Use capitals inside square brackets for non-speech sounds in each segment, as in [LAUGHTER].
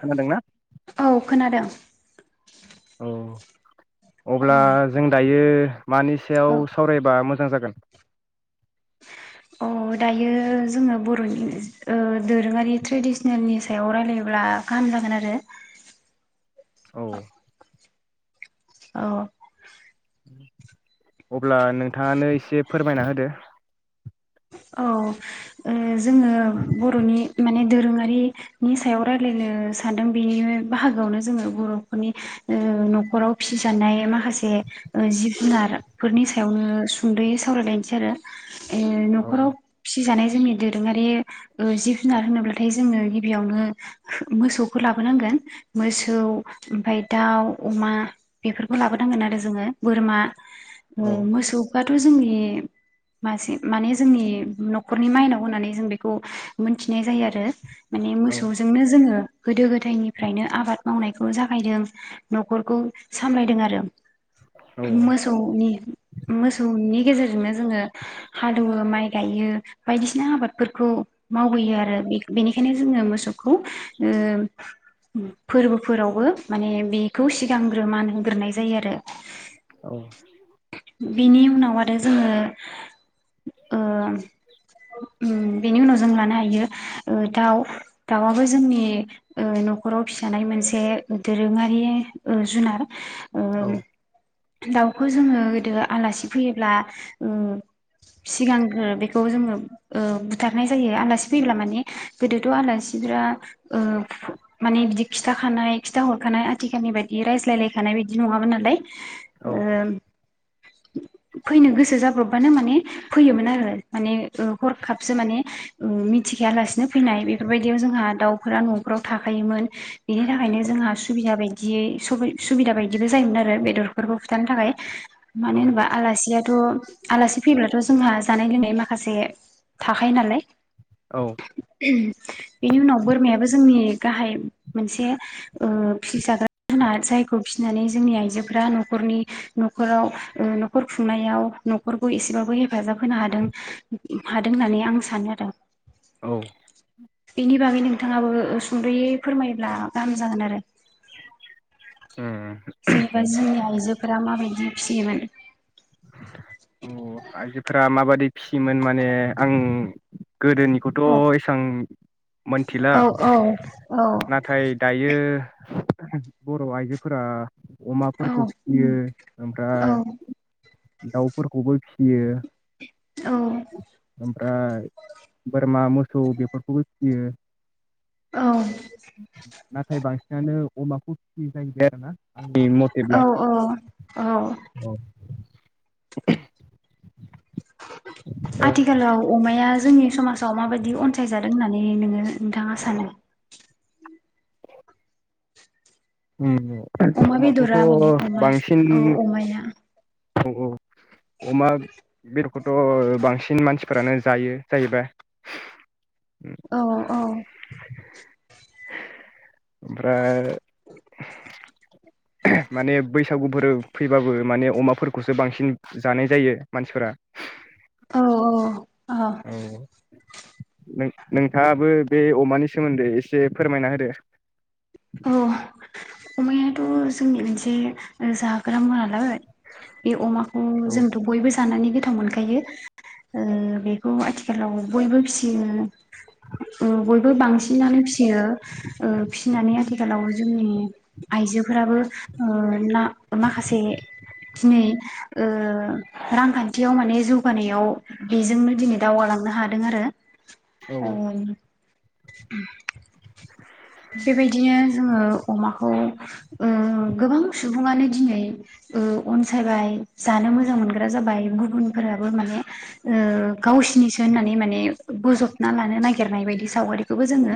खोनादोंना औ खोनादों। औ अब्ला औ जों दायो मानि सायाव सावरायबा मोजां जागोन? गोन अ दायो जोङो बर'नि ओ दोरोङारि ट्रेडिसनेलनि सायाव रायलायोब्ला गाहाम जागोन आरो औ औ अब्ला नोंथाङानो एसे फोरमायना होदो। औ ओ जोङो बर'नि माने दोरोङारिनि सायाव रायलायनो सानदों बेनि बाहागोआवनो जोङो बर'फोरनि ओ न'खराव फिसिजानाय माखासे जिब जुनारफोरनि सायावनो सुंद'यै सावरायलायनोसै आरो। औ न'खराव फिसि जानाय जोंनि दोरोङारि ओ जिब जुनार होनोब्लाथाय जोङो गिबियावनो मोसौफोर लाबोनांगोन मोसौ ओमफाय दाउ, अमा बेफोरखौ लाबोनांगोन आरो जोङो बोरमा ओ औ मोसौ काट त जोंनि मासे माने जोंनि न'खरनि माइनाव होननानै जों बेखौ मोनथिनाय जायो आरो माने औ मोसौजोंनो जोङो गोदो गोदायनिफ्रायनो आबाद मावनायखौ जागायदों न'खरखौ सामलायदों आरो मोसौनि मोसौनि गेजेरजोंनो जोङो हाल एवो माइ गायो बायदिसिना आबादफोरखौ मावबोयो आरो बेनिखायनो जोङो मोसौखौ ओ फोरबोफोरावबो माने बेखौ सिगांग्रोमान होग्रोनाय जायो आरो औ बिनि उनाव आरो जोङो ओ उम बेनि उनाव जों लानो हायो ओ दाउ दाउआबो जोंनि ओ न'खराव फिसानाय मोनसे दोरोङारि ओ जुनार अ दाव खौ जोङो गोदो आलासि फैयोब्ला उम सिगांग्रो बेखौ जोङो ओ बुथारनाय जायो आलासि फैयोब्ला माने गोदोथ' आलासिफ्रा ओ माने बिदि खिथाखानाय खिथाहरखानाय आथिखालनि बायदि रायज्लायलायखानाय बायदि नङामोन नालाय औ ओम फैनो गोसो जाब्रबबानो माने फैयोमोन आरो माने ओ हरखाबसो माने उम मिथिखायालासिनो फैनाय बेफोरबायदियाव जोंहा दाउफोरा न'फोराव थाखायोमोन बिनि थाखायनो जोंहा सुबिदा बाय दियै सुबि सुबिदा बायदिबो जायोमोन आरो बेदरफोरखौ खुथानो थाखाय मानो होनबा आलासियाथ' आलासि फैब्लाथ' जोंहा जानाय लोंनाय माखासे थाखायो नालाय औ बेनि उनाव बोरमायाबो जोंनि गाहाय मोनसे ओ फिजाग्रा जुनार जायखौ फिसिनानै जोंनि आइजोफोरा न'खरनि न'खराव ओ न'खर खुंनायाव न'खरखौ एसेबाबो हेफाजाब होनो हादों हादों होननानै आं सानो आरो औ बेनि बागै नोंथाङाबो सुंद'यै फोरमायोब्ला गाहाम जागोन आरो उम जेनेबा जोंनि आइजोफोरा माबायदि फिसियोमोन फिसिमोन माने आं औ गोदोनिखौथ' एसां मोनथिला औ औ औ नाथाय दायो बर' आइजोफोरा अमाफोरखौ फिसियो औ ओमफ्राय दाउफोरखौबो फिसियो औ ओमफ्राय बोरमा मोसौ बेफोरखौबो फियो औ नाथाय बांसिनानो अमा खुरथि जायजै आरो ना आंनि मथेब्ला औ औ औ औ आथिखालाव अमाया जोंनि समाजाव माबायदि अनसायजादों होननानै नोङो नोंथाङा सानो उम अमा अमाखौथ' बेदरा माने अमाया बांसिन औ अमाया औ औ अमा बेदरखौथ' बांसिन मानसिफोरानो जायो जाहैबाय औ औ ओमफ्राय माने बैसागुफोर फैबाबो माने अमाफोरखौसो बांसिन जानाय जायो मानसिफोरा औ औ अह औ नों नोंथाङाबो बे अमानि सोमोन्दै एसे फोरमायना होदो। औ अमायाथ' जोंनि मोनसे जाग्रा मुवा। नालाय बे अमाखौ औ जोंथ' बयबो जानानै गोजो गोथाव मोनखायो ओ बेखौ आथिखालाव बयबो फिसियो बयबो ओ बांसिनानो फिसियो ओ फिसिनानै आथिखालाव जोंनि आइजोफोराबो ओ ना माखासे दिनै ओ रांखान्थियाव माने जौगानायाव बेजोंनो दिनै दावगालांनो हादों आरो औ ओ। [INAUDIBLE] बेबायदिनो जोङो अमाखौ गोबां ओ सुबुङानो दिनै अनसायबाय जानो मोजां मोनग्रा जाबाय गुबुनफोराबो माने गावसिनिसो होननानै माने बोजबना लानो नागिरनाय बायदि सावगारिखौबो जोङो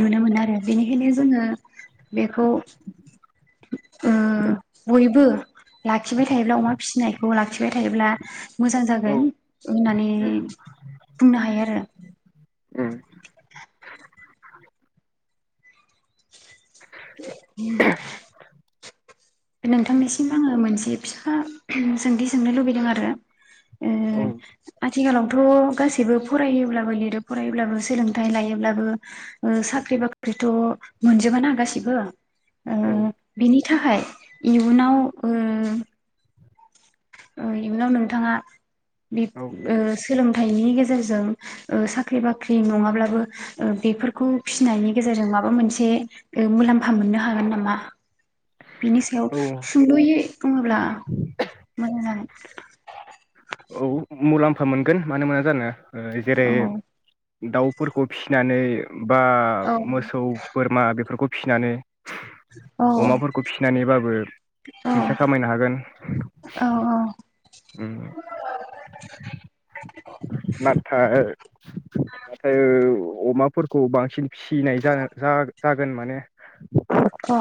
नुनो मोनो आरो। बेनिखायनो जोङो बेखौ ओ बयबो लाखिबाय थायोब्ला अमा फिसिनायखौ लाखिबाय थायोब्ला मोजां औ जागोन होननानै बुंनो हायो आरो। उम उम नोंथांनिसिम आङो मोनसे फिसा सोंथि सोंनो लुबैदों आरो। ओ औ आथिखालावथ' गासैबो फरायोब्लाबो लिरो फरायोब्लाबो सोलोंथाइ लायोब्लाबो ओ साख्रि बाख्रिथ' मोनजबाना गासैबो। ओ औ बिनि थाखाय इयुनाव ओ ओ इयुनाव नोंथाङा बि औ ओ सोलोंथाइनि गेजेरजों ओ साख्रि बाख्रि नङाब्लाबो बेफोरखौ फिसिनायनि गेजेरजों माबा मोनसे ओ मुलाम्फा मोननो हागोन नामा? बिनि सायाव औ सुंद'यै बुङोब्ला मोजां। औ मुलाम्फा मोनगोन मानो मोना जानो जेरै औ दाउफोरखौ फिसिनानै बा औ मोसौ बोरमा बेफोरखौ फिसिनानै औ अमाफोरखौ फिनानैबाबो फैसा खामायनो हागोन औ ओम नाथाय माथो ओ- अमाफोरखौ बांसिन फिसिनाय जानो जा जागोन माने औ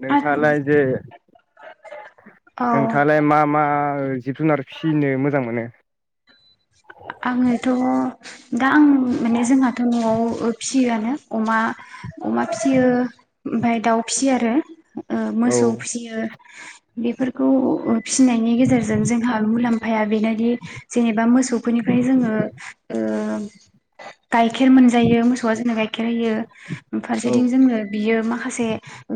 नोंथाङालाय जे औ नोंथाङालाय मा मा ओ जिब जुनार फिसिनो मोजां मोनो आङोथ' दा आं माने जोंहाथ' न'आव फिसियोआनो अमा अमा फिसियो ओमफ्राय दाउ फिसियो आरो ओ औ मोसौ फिसियो बेफोरखौ फिसिनायनि गेजेरजों जोंहा मुलाम्फाया बेनोदि एबा मोसौफोरनिफ्राय जोङो ओ गाइखेर मोनजायो मोसौआ जोंनो गाइखेर होयो। औ फारसेथिं जोंनो बियो माखासे ओ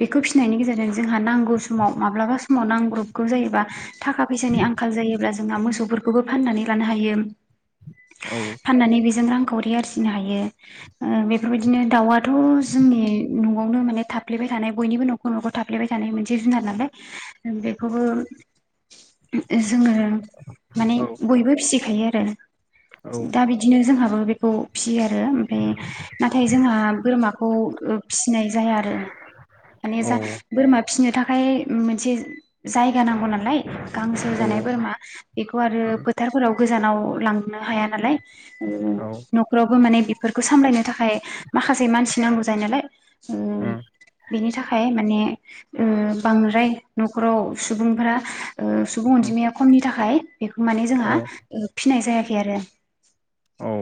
बेखौ फिसिनायनि गेजेरजों जोंहा नांगौ समाव माब्लाबा समाव नांग्रबगौ जायोबा थाखा फैसानि आंखाल जायोब्ला जोंहा मोसौफोर खौबो फाननानै लानो हायो औ फाननानै बेजों रां खावरि आरजिनो हायो ओ बेफोरबायदिनो दाउ दाथ जोंनि न नयावनो माने थाफ्लेबाय थानाय बयनिबो नखर नखर थाफ्लेबाय थानाय मोनसे जुनार नालाय। जों बेखौबो ए जोंङो माने औ बयबो फिसिखायो औ [UNINTELLIGIBLE] दा बिदिनो जोंहाबो बेखौ फि फिसियो आरो ओमफ्राय नाथाय जोंहा बोरमाखौ फिसिनाय जाया आरो माने जा औ बोरमा फिसिनो थाखाय मोनसे जायगा नांगौ नालाय गांसो जानाय बोरमा खौ आरो फोथारफोराव गोजानाव लांनो हाया नालाय ओ न'खरावबो माने बेफोरखौ सामलायनो थाखाय माखासे मानसि नांगौ जायो नालाय ओ बिनि थाखाय माने ओ बांद्राय न'खराव सुबुंफ्रा ओह सुबुं अनजिमाया खमनि थाखाय बेखौ माने औ जोंहा औ ओ फिनाय जायाख बेरो औ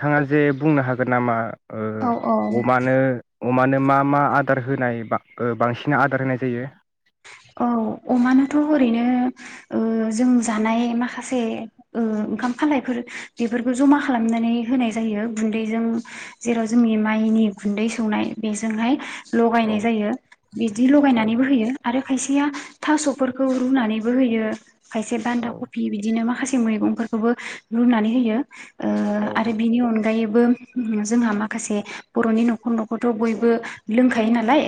थाङा जे बुंनो हागोन नामा औ ओह औ अमानो अमानो मा मा आदार होनाय बा ओ बांसिन आदार होनाय जायो? औ अमानोथ' ओरैनो ओ जों जानाय माखासे ओ ओंखाम खालायफोर बेफोरखौ जमा खालामनानै होनाय जायो गुन्दैजों जेराव जोंनि माइनि गुन्दै सौनाय बेजोंहाय औ लगायनाय जायो बिदि औ लगायनानैबो होयो आरो खायसेया थास'फोरखौ रुनानैबो होयो खायसे बान्दा औ कफि बिदिनो माखासे [UNINTELLIGIBLE] मैगंफोरखौबो रुनानै होयो। ओ औ आरो बिनि अन गायैबो जोंहा माखासे बर'नि न'खर न'खरथ' बयबो लोंखायो नालाय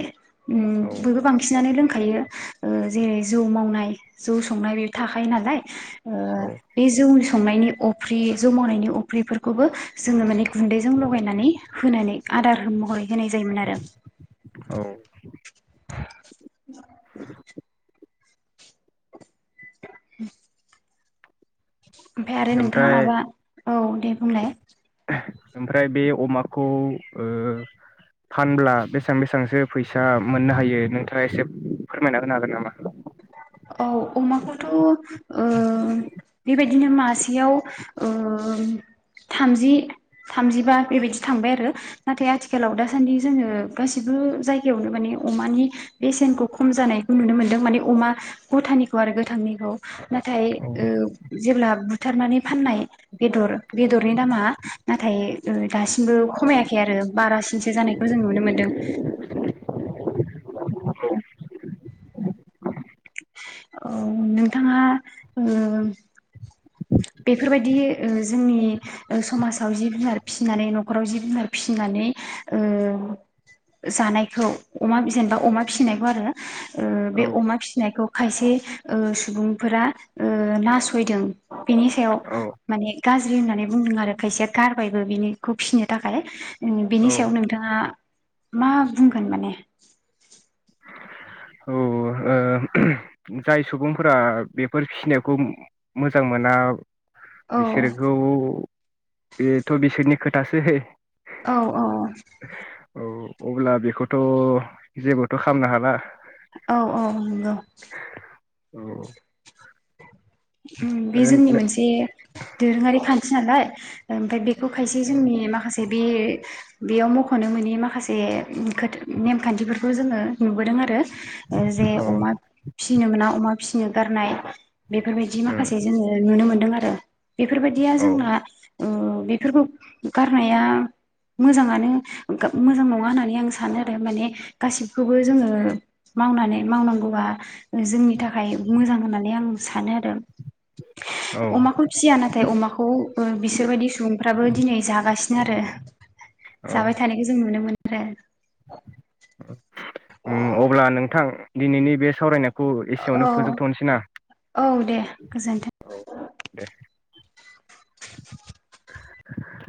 उम औ बयबो बांसिनानो लों खायो ओह जेरै जौ मावनाय जौ संनाय बे थाखायो नालाय ओ औ बे जौ स संनायनि अफ्रि जौ मावनायनि अफ्रिफोरखौबो जोङो माने गुन्दैजों लगायनानै होनानै आदार महरै होनाय जायोमोन आरो। [INAUDIBLE] औ उम ओमफाय आरो नोंथाङा ओमफ्राय माबा औ दे बुंलाय। ओमफ्राय बे अमाखौ ओ फानब्ला बेसां बेसांसो फैसा मोननो हायो नोंथाङा एसे फोरमायना होनो हागोन नामा? औ अमाखौथ' दिनो मासेयाव ओ थामजि थामजिबा बेबायदि थांबाय आरो नाथाय आथिखालाव दासान्दि जोङो गासिबो जायगायावनो माने अमानि बेसेनखौ खम जानायखौ नुनो मोनदों माने अमा गथानिखौ आरो गोथांनिखौ नाथाय औ ओह जेब्ला बु थारमाने फाननाय बेदर बेदरनि दामा नाथाय ओह दासिमबो खमायाखै आरो बारासिनसो जानायखौ जों नुनो मोनदों। औ नोंथाङा ओह बेफोरबायदियै ओ जोंनि ओ समासाव जिब जुनार फिनानै न'खराव जिब जुनार फिसिनानै ओ जानायखौ अमा जेनेबा अमा फिसिनायखौ आरो ओह बे औ अमा फिसिनायखौ खायसे ओ सुबुंफोरा ओ नासयदों। बिनि सायाव औ माने गाज्रि होननानै बुंदों आरो खायसेया गारबायबो बिनिखौ फिसिनो थाखाय बिनि औ सायाव नोंथाङा मा बुंगोन माने औ ओ जाय सुबुंफोरा बेफोर फिसिनायखौ मोजां मोना औ बिसोरखौ बेथ बिसोरनि खोथासै औ औ औ अब्ला बेखौथ जेबोथ खालामनो हाला औ औ नंगौ औ [INAUDIBLE] ओ बे जोंनि नो- मोनसे दोरोङारि खान्थि नालाय ओमफ्राय बेखौ खायसे औ जोंनि माखासे बे बेयाव मखनो मोनि माखासे खोथा नेमखान्थिफोरखौ जोङो नुबोदों आरो जे अमा फिसिनो मोना अमा फिसिनो गारनाय बेफोरबायदि उम माखासे जोङो नुनो मोनो मोनदों आरो बेफोरबायदिया औ जोंना ओ बेफोरखौ गारनाया मोजाङानो मोजां नङा होननानै आं सानो आरो माने गासिखौबो जोङो मावनानै मावनांगौआ जोंनि थाखाय मोजां होननानै आं सानो आरो अमाखौ फिसिया नाथाय अमाखौ ओ बिसोरबायदि सुबुंफ्राबो दिनै जागासिनो आरो औ जाबाय थानायखौ जों नुनो मोनो दे उम अब्ला नोंथां दिनैनि बे सावरायनायखौ एसेयावनो औ फोजोबथनोसै ना औ दे गोजोन्थों औ दे [INAUDIBLE]